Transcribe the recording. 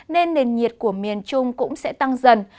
nên nền nhiệt của miền trung cũng sẽ tăng dần